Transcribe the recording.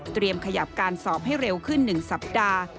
ขยับการสอบให้เร็วขึ้น๑สัปดาห์